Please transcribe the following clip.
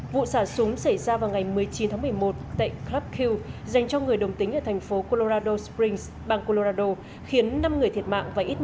vụ xả súng xảy ra vào ngày một mươi chín tháng một mươi một tại club q dành cho người đồng tính ở thành phố colorado springs bang colorado khiến năm người thiệt mạng và ít mạng